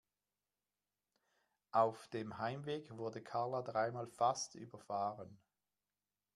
Auf dem Heimweg wurde Karla dreimal fast überfahren.